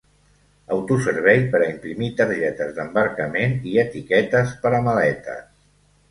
Autoservei per a imprimir targetes d'embarcament i etiquetes per a maletes.